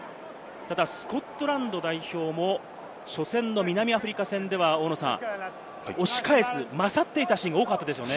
ただスコットランド代表も、初戦の南アフリカ戦では押し返す、勝っていたシーンが多かったですよね。